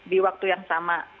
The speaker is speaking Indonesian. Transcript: di waktu yang sama